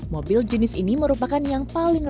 mobil jenis ini merupakan yang paling